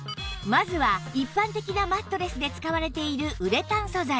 まずは一般的なマットレスで使われているウレタン素材